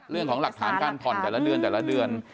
เรื่องของหลักฐานการผ่อนแต่ละเดือนแต่ละเดือน